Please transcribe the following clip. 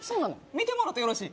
見てもろうてよろしい？